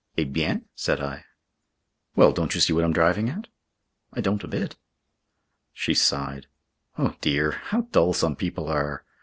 "Eh bien?" said I. "Well, don't you see what I'm driving at?" "I don't a bit." She sighed. "Oh, dear! How dull some people are!